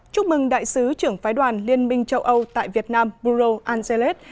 chúc mừng đại sứ trưởng phái đoàn liên minh châu âu tại việt nam bruro ancelet